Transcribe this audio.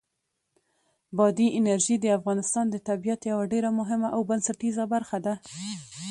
بادي انرژي د افغانستان د طبیعت یوه ډېره مهمه او بنسټیزه برخه ده.